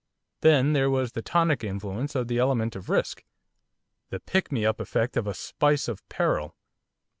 Then there was the tonic influence of the element of risk. The pick me up effect of a spice of peril.